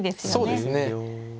そうですね。